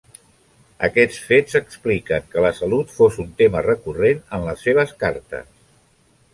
Aquests fets expliquen que la salut fos un tema recurrent en les seves cartes.